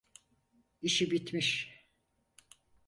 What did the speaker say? İşi bitmiş.